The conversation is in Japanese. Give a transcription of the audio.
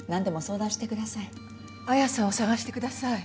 彩矢さんを捜してください。